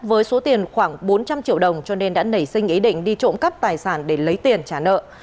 với số tiền khoảng bốn trăm linh triệu đồng cho nên đã nảy sinh ý định đi trộm cắp tài sản để lấy tiền trả nợ